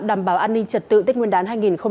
đảm bảo an ninh trật tự tết nguyên đán hai nghìn hai mươi